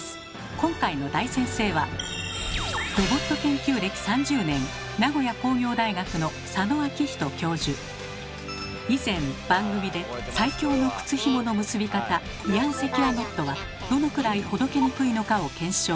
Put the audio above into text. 今回の大先生は以前番組で最強の靴ヒモの結び方イアン・セキュア・ノットはどのくらいほどけにくいのかを検証。